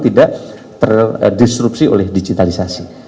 tidak terdisrupsi oleh digitalisasi